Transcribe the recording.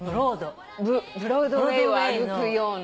ブロードウェイを歩くような。